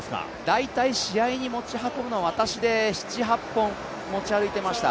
大体試合に持ち運ぶのは私で７８本持ち歩いていました。